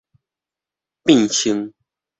變穿